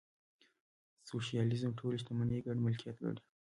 سوشیالیزم ټولې شتمنۍ ګډ ملکیت ګڼي.